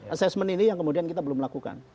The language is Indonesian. assessment ini yang kemudian kita belum lakukan